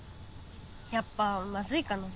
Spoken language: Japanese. やっぱまずいかな？